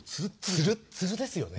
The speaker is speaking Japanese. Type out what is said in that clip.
ツルツルですよね。